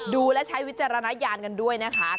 ดูและใช้วิจารณญาณกันด้วยนะคะ